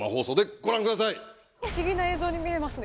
不思議な映像に見えますね。